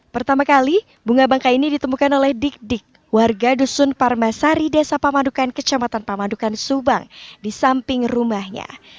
pertama kali bunga bangka ini ditemukan oleh dik dik warga dusun parmasari desa pamadukan kecamatan pamandukan subang di samping rumahnya